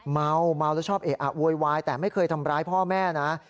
เมาเมาแล้วชอบเอะอะโวยวายแต่ไม่เคยทำร้ายพ่อแม่นะ